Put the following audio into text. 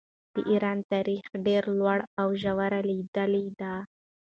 د ایران تاریخ ډېرې لوړې او ژورې لیدلې دي.